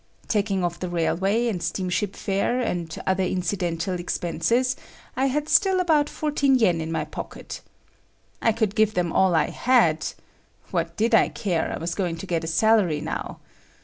Taking off the railway and steamship fare, and other incidental expenses, I had still about 14 yen in my pocket. I could give them all I had;—what did I care, I was going to get a salary now.